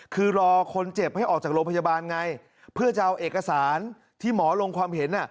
คือรอคนเจ็บให้ออกจากโรงพยาบาลไงเพื่อจะเอาเอกสารที่หมอลงความเห็น